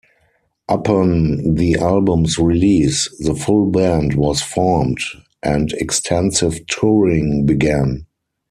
Upon the album's release, the full band was formed and extensive touring began.